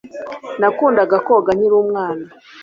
Nakundaga koga nkiri umwana.